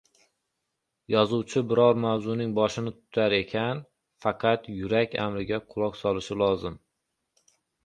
Yozuvchi biror mavzuning boshini tutar ekan, faqat yurak amriga quloq solishi lozim.